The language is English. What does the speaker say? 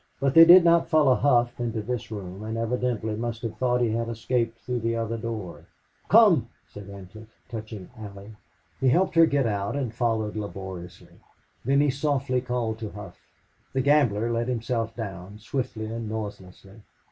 But they did not follow Hough into this room and evidently must have thought he had escaped through the other door. "Come," said Ancliffe, touching Allie. He helped her get out, and followed laboriously. Then he softly called to Hough. The gambler let himself down swiftly and noiselessly.